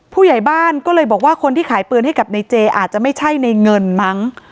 ผู้ใหญ่บ้านก็เลยบอกว่าคนที่ขายปืนให้กับในเจอาจจะไม่ใช่ในเงินมั้ง